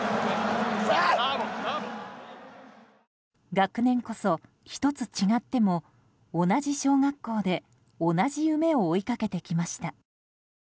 学年こそ１つ違っても同じ小学校で同じ夢を追いかけてきました。